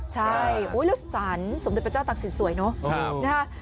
ใช่แล้วสารสมเด็จพระเจ้าตักศิลปสวยเนอะ